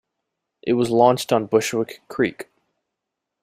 It was launched on Bushwick Creek.